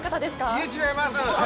いえ、違います。